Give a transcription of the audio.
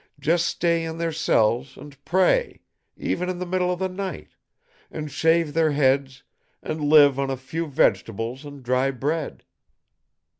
Just stay in their cells, an' pray, even in the middle of the night, an' shave their heads an' live on a few vegetables an' dry bread."